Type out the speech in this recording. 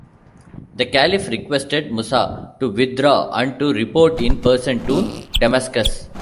The Caliph requested Musa to withdraw and to report in person to Damascus.